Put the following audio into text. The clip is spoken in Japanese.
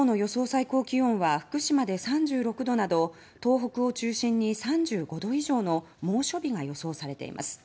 最高気温は福島で３６度など東北を中心に３５度以上の猛暑日が予想されています。